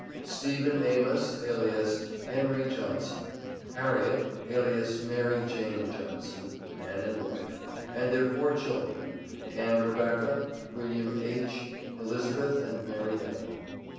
STEPHEN AMOS, alias HENRY JOHNSON, HARRIET, alias MARY JANE JOHNSON (man and wife), and their four children, ANN REBECCA, WM. H., ELIZABETH and MARY ELLEN.